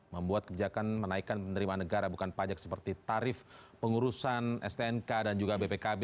membuat kebijakan menaikkan penerimaan negara bukan pajak seperti tarif pengurusan stnk dan juga bpkb